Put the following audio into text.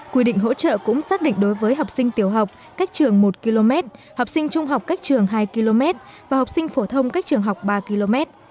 quy định hỗ trợ cũng xác định đối với học sinh tiểu học cách trường một km học sinh trung học cách trường hai km và học sinh phổ thông cách trường học ba km